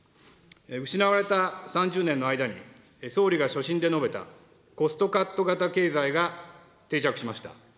失われた３０年の間に、総理が所信で述べたコストカット型経済が定着しました。